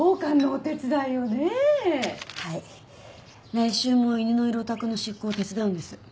来週も犬のいるお宅の執行を手伝うんです。